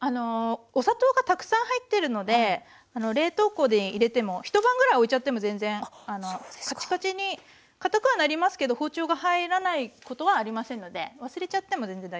お砂糖がたくさん入ってるので冷凍庫に入れても一晩ぐらいおいちゃっても全然カチカチにかたくはなりますけど包丁が入らないことはありませんので忘れちゃっても全然大丈夫です。